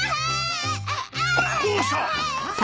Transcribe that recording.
どうした！